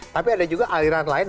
tapi ada juga aliran lain